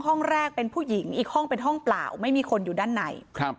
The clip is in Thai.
ห้องแรกเป็นผู้หญิงอีกห้องเป็นห้องเปล่าไม่มีคนอยู่ด้านในครับ